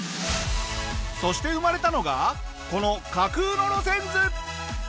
そして生まれたのがこの架空の路線図。